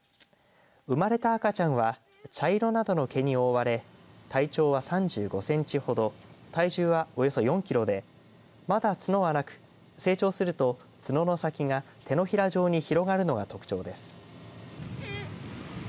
生まれた赤ちゃんは茶色などの毛に覆われ体長は３５センチほど体重はおよそ４キロでまだ角はなく、成長すると角の先が手のひら状に広がるのが特徴です。